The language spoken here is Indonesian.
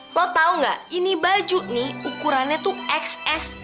lo tau gak ini baju nih ukurannya tuh xs